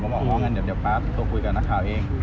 เดี๋ยวป๊าโทรคุยกับนักข่าวเอง